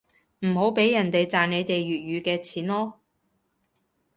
唔好畀人哋賺你哋粵語嘅錢囉